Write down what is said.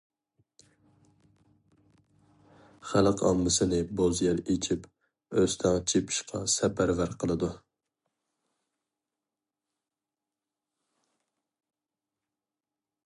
خەلق ئاممىسىنى بوز يەر ئېچىپ، ئۆستەڭ چېپىشقا سەپەرۋەر قىلىدۇ.